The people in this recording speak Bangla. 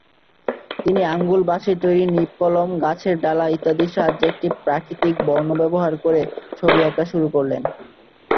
তিনি আঙ্গুল, বাঁশের তৈরি নিব-কলম, গাছের ডাল ইত্যাদির সাহায্যে এবং প্রাকৃতিক বর্ণ ব্যবহার করে ছবি আঁকা শুরু করেন।